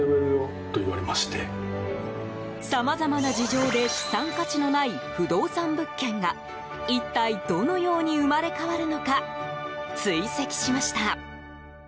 さまざまな事情で資産価値のない負動産物件が一体どのように生まれ変わるのか追跡しました。